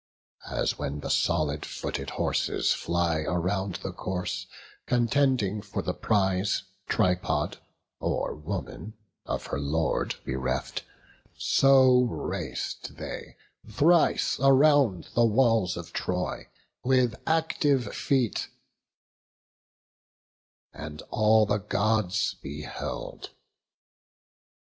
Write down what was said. As when the solid footed horses fly Around the course, contending for the prize, Tripod, or woman of her lord bereft; So rac'd they thrice around the walls of Troy With active feet; and all the Gods beheld.